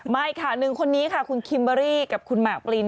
ไม่ค่ะหนึ่งคนนี้ค่ะคุณคิมเบอรี่กับคุณหมากปลิน